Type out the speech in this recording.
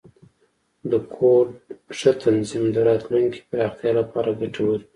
د کوډ ښه تنظیم، د راتلونکي پراختیا لپاره ګټور وي.